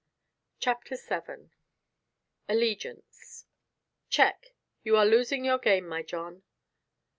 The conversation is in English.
CHAPTER VII ALLEGIANCE "Check. You are losing your game, my John."